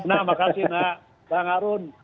nah makasih nak bang arun